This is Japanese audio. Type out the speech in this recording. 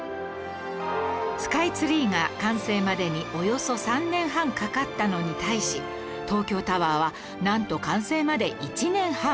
スカイツリーが完成までにおよそ３年半かかったのに対し東京タワーはなんと完成まで１年半